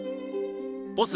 ボス